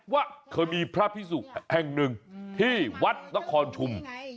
ว่าเคยมีพระพิสุกแห่งหนึ่งที่วัดนครชุม